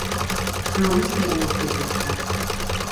Promise me I will get this back.